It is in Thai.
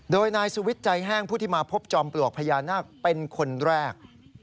โดยนายสุวิทย์ใจแห้งผู้ที่มาพบจอมปลวกพญานาคเป็นคนแรก